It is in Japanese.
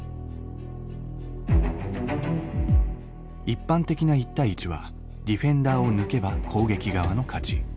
一般的な１対１はディフェンダーを抜けば攻撃側の勝ち。